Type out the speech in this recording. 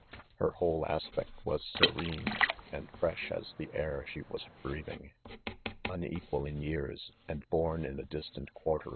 Hex whole aspect was serene, and fresh as the air she was breathing. Unequal in years and horn in a distant quarter